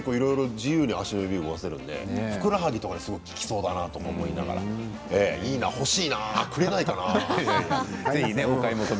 自由に足が動かせるのでふくらはぎとか効きそうだなと思いながら欲しいな、くれないかな。